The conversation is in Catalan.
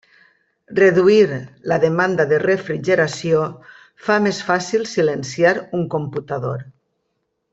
Reduir la demanda de refrigeració fa més fàcil silenciar un computador.